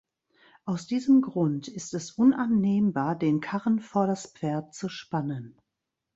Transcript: Aus diesem Grund ist es unannehmbar, den Karren vor das Pferd zu spannen.